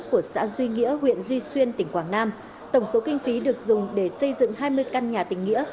của xã duy nghĩa huyện duy xuyên tỉnh quảng nam tổng số kinh phí được dùng để xây dựng hai mươi căn nhà tình nghĩa